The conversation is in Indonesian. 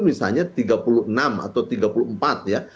misalnya tiga puluh enam atau tiga puluh empat ya